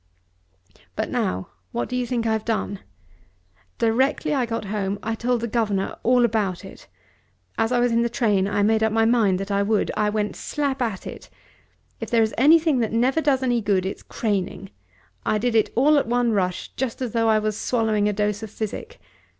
But now what do you think I've done? Directly I got home I told the governor all about it! As I was in the train I made up my mind that I would. I went slap at it. If there is anything that never does any good, it's craning. I did it all at one rush, just as though I was swallowing a dose of physic.